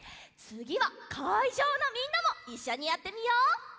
つぎはかいじょうのみんなもいっしょにやってみよう！